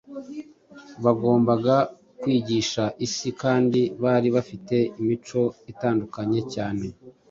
Bagombaga kwigisha isi, kandi bari bafite imico itandukanye cyane.